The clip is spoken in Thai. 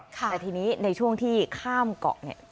แต่ทีนี้ในช่วงที่ข้ามเกาะเนี่ย